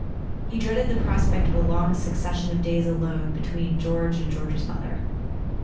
He dreaded the prospect of a long succession of days alone between George and George's mother.